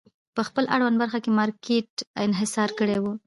په خپل اړونده برخه کې مارکېټ انحصار کړی و.